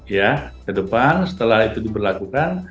ya ke depan setelah itu diberlakukan